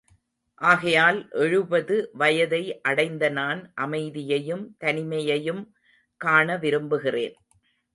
ஆகையால் எழுபது வயதை அடைந்த நான் அமைதியையும் தனிமையையும் காண விரும்புகிறேன்.